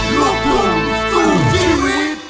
ลูกลุงสู่ชีวิต